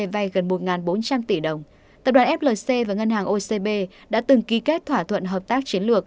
vay gần một bốn trăm linh tỷ đồng tập đoàn flc và ngân hàng ocb đã từng ký kết thỏa thuận hợp tác chiến lược